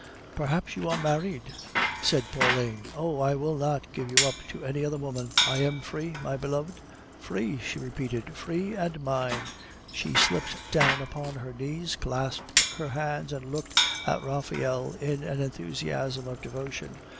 "Perhaps you are married?" said Pauline. "Oh, I will not give you up to any other woman." "I am free, my beloved." "Free!" she repeated. "Free, and mine!" She slipped down upon her knees, clasped her hands, and looked at Raphael in an enthusiasm of devotion.